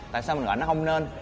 tại sao mình gọi nó không nên